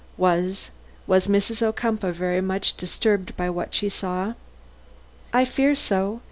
"Was was Mrs. Ocumpaugh very much disturbed by what she saw?" "I fear so.